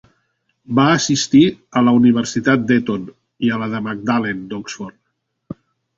Va assistir a la universitat d'Eton i a la de Magdalen d'Oxford.